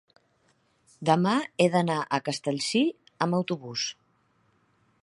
demà he d'anar a Castellcir amb autobús.